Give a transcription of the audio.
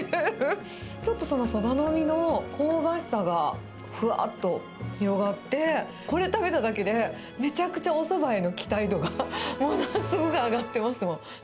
ちょっとソバの実の香ばしさがふわっと広がって、これ食べただけで、めちゃくちゃ、おそばへの期待度がものすごい上がってますもん。